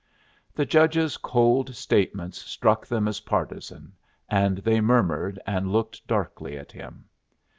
The judge's cold statements struck them as partisan, and they murmured and looked darkly at him.